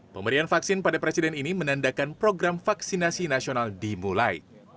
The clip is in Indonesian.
pemberian vaksin pada presiden ini menandakan program vaksinasi nasional dimulai